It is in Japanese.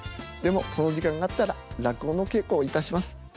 でもその時間があったら落語の稽古をいたします。